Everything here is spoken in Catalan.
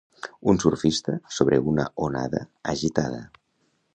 Un surfista sobre una onada agitada.